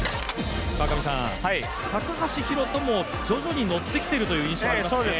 高橋宏斗も徐々にのってきているという印象ですね。